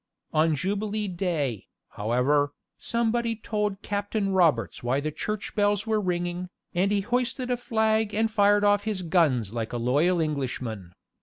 On Jubilee day, however, somebody told Captain Roberts why the church bells were ringing, and he hoisted a flag and fired off his guns like a loyal Englishman.